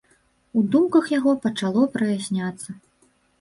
У думках яго пачало праясняцца.